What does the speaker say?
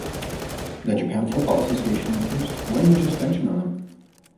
The Japan Football Association imposed one-year suspension on him.